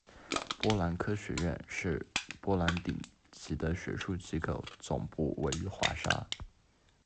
波兰科学院是波兰顶级的学术机构，总部位于华沙。